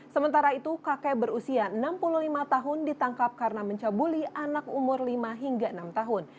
sementara itu kakek berusia enam puluh lima tahun ditangkap karena mencabuli anak umur lima hingga enam tahun